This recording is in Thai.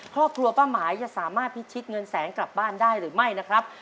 ครอบครัวป้าหมายจะสามารถพิชิตเงินแสนกลับบ้านได้หรือไม่นะครับ